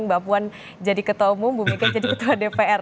mbak puan jadi ketua umum bu mega jadi ketua dpr